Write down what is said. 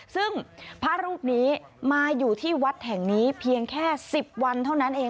ซึ่งพระรูปนี้มาอยู่ที่วัดแห่งนี้เพียงแค่๑๐วันเท่านั้นเอง